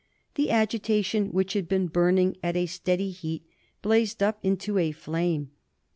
The agitation which had been burning at a steady heat blazed up into a flame.